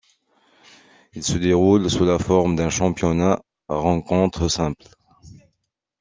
Il se déroule sous la forme d'un championnat à rencontre simple.